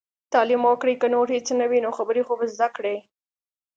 تعليم وکړئ! که نور هيڅ نه وي نو، خبرې خو به زده کړي.